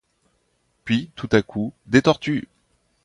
Puis, tout à coup: « Des tortues!